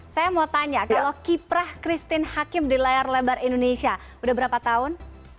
saya mau tanya kalau kiprah christine hakim di layar lebar indonesia udah berapa tahun